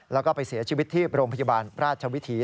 แล้วก็ไปเสียชีวิตที่โรงพยาบาลราชวิถี